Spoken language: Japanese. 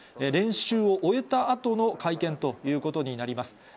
練習を終えたあとの会見ということになります。